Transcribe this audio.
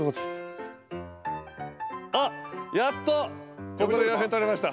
あっやっとここで読み取れました。